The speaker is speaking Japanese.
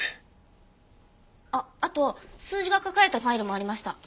あっあと数字が書かれたファイルもありました。